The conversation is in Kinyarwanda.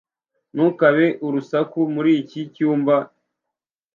Ntukabe urusaku muri iki cyumba.